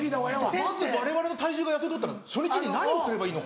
まずわれわれの体重が痩せようと思ったら初日に何をすればいいのか。